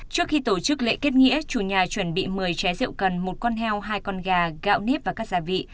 trước khi tổ chức lễ kết nghĩa chủ nhà chuẩn bị một mươi ché rượu cần một con heo hai con gà gạo nếp và các gia vị